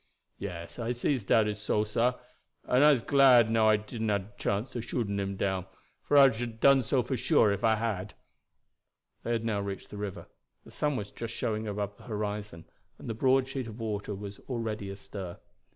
Yes, I sees dat is so, sah; and I'se glad now I didn't hab a chance ob shooting him down, for I should have done so for suah ef I had." They had now reached the river. The sun was just showing above the horizon, and the broad sheet of water was already astir.